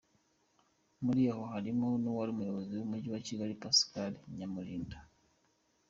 Muri abo harimo n’uwari umuyobozi w’Umujyi wa Kigali, Pascal Nyamurida.